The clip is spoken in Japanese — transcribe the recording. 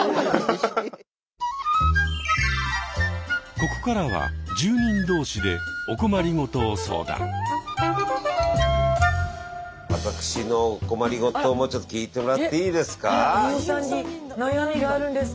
ここからは私の困りごともちょっと聞いてもらっていいですか？